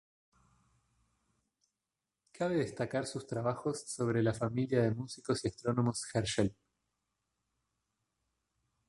Cabe destacar sus trabajos sobre la familia de músicos y astrónomos Herschel.